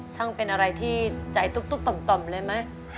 ช่างเป็นอะไรที่ใจตุ๊บต่ำเลยไหม